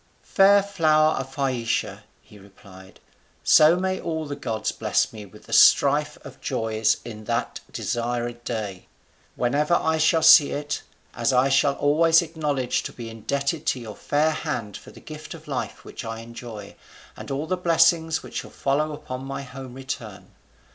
"Fair flower of Phaeacia," he replied, "so may all the gods bless me with the strife of joys in that desired day, whenever I shall see it, as I shall always acknowledge to be indebted to your fair hand for the gift of life which I enjoy, and all the blessings which shall follow upon my home return.